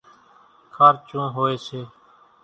کارچون هوئيَ سي۔